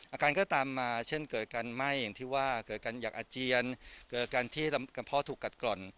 อาการก็ตามมาเช่นเกิดการไหม้อย่างที่ว่าเกิดการอยากอาเจียนเกิดการที่กับพ่อถูกกัดกร่อน